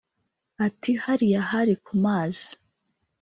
Ati “Hariya hari ku mazi